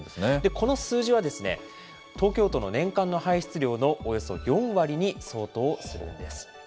この数字は東京都の年間の排出量のおよそ４割に相当するんです。